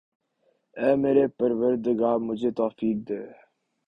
اے میرے پروردگا مجھے توفیق دے